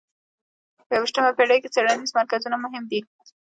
په یویشتمه پېړۍ کې څېړنیز مرکزونه مهم دي.